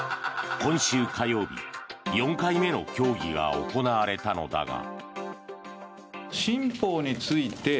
今週火曜日、４回目の協議が行われたのだが。